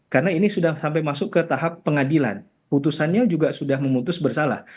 karena ini sudah sampai masuk ke tahap pengadilan putusannya juga sudah memutus bersalah